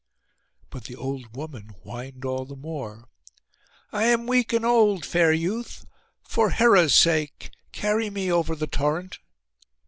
But the old woman whined all the more, 'I am weak and old, fair youth. For Hera's sake, carry me over the torrent.